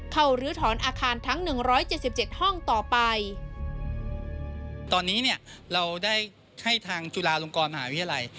เข้าหรือถอนอาคารทั้ง๑๗๗ห้องต่อไปตอนนี้เนี่ยเราได้ให้ทางจุฬาลงกรหาวิทยาลัย